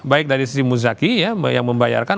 baik dari sri muzaki yang membayarkan